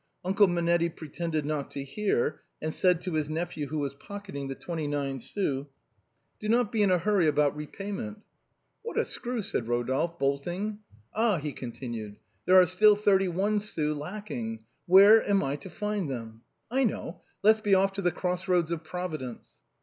Uncle Monetti pretended not to hear, and said to his nephew who was pocketing the twenty nine sous: " Do not be in a hurry about repayment." " What a screw," said Rodolphe, bolting. "Ah !" he continued, " there are still thirty one sous lacking. Where THE COST OF A FIVE FRANC PIECE. 101 am I to find them ? I know, let's be off to the cross roads of Providence."